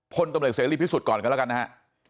พลตำเหล่ยเสร็จเร็วที่สุดก่อนกันแล้วกันนะฮะ